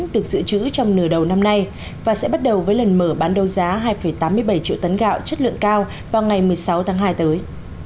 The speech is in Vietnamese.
được dự trữ trong nửa đầu năm nay và sẽ bắt đầu với lần mở bán đấu giá hai tám mươi bảy triệu tấn gạo chất lượng cao vào ngày một mươi sáu tháng hai tới